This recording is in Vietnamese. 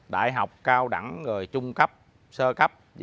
đại học cao đẳng rồi trung cấp sơ cấp